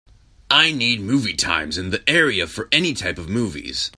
I need movie times in the area for any type of movies